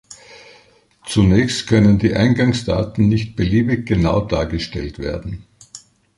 Zunächst können die Eingangsdaten nicht beliebig genau dargestellt werden.